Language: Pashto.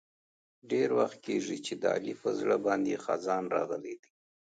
ډېر وخت کېږي چې د علي په زړه باندې خزان راغلی دی.